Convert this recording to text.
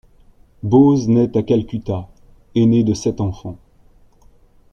Bose naît à Calcutta, aîné de sept enfants.